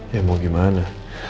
ya mau gimana